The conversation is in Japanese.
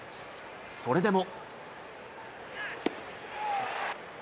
それでも。